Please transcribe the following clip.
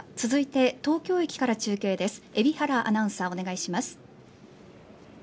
続いて東京駅から中継です。